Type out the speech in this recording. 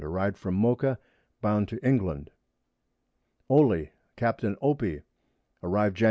arriv'd from Mocha, bound to England. Oley, Capt. Opie, arrived _Jan.